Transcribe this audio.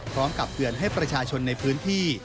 พร้อมกับเตือนให้ประชาชนในพื้นที่